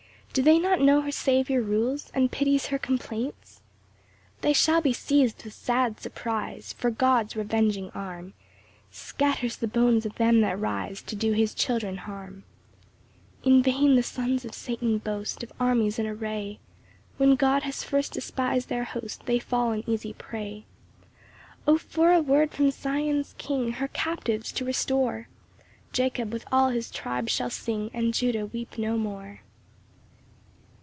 Do they not know her Saviour rules, And pities her complaints? 2 They shall be seiz'd with sad surprise; For God's revenging arm Scatters the bones of them that rise To do his children harm. 3 In vain the sons of Satan boast Of armies in array: When God has first despis'd their host, They fall an easy prey. 4 O for a word from Sion's King Her captives to restore! Jacob with all his tribes shall sing, And Judah weep no more.